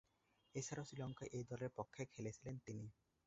এছাড়াও শ্রীলঙ্কা এ দলের পক্ষে খেলেছেন তিনি।